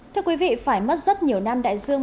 thưa quý vị phải mất rất nhiều năm đại dương